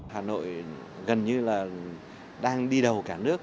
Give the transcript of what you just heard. hà nội gần như là đang đi đầu cả nước